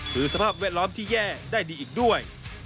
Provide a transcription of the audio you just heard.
คือสภาพแวดล้อมที่แย่ได้ดีอีกด้วย